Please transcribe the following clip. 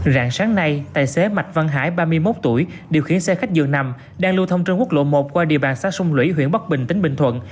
rạng sáng nay tài xế mạch văn hải ba mươi một tuổi điều khiển xe khách dường nằm đang lưu thông trên quốc lộ một qua địa bàn xã sông lũy huyện bắc bình tỉnh bình thuận